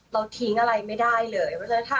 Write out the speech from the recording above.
เราทิ้งอะไรไม่ได้เลย